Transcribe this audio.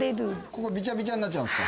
ここ、びちゃびちゃになっちゃうんですか？